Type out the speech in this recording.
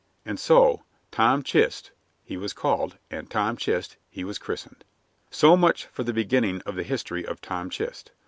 And so "Tom Chist" he was called and "Tom Chist" he was christened. So much for the beginning of the history of Tom Chist.